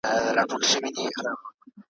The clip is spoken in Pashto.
کله یو خوا کله بله شاته تلله ,